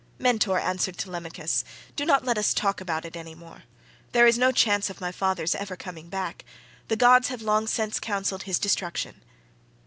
"Mentor," answered Telemachus, "do not let us talk about it any more. There is no chance of my father's ever coming back; the gods have long since counselled his destruction.